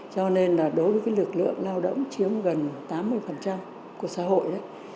cho nên là đối với lực lượng lao động chiếm gần tám mươi của xã hội đấy